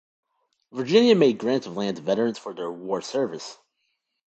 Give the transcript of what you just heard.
Virginia made grants of land to veterans for their war service.